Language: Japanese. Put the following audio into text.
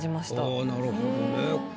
ああなるほどね。